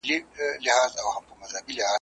د خپل هنر او ضمناً د عقل کمال وښيي ,